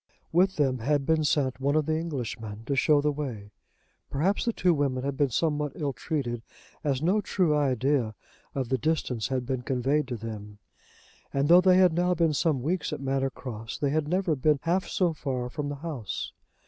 With them had been sent one of the Englishmen to show the way. Perhaps the two women had been somewhat ill treated, as no true idea of the distance had been conveyed to them; and though they had now been some weeks at Manor Cross, they had never been half so far from the house.